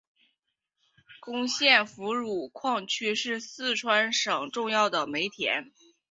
珙县芙蓉矿区是四川省重要的煤田。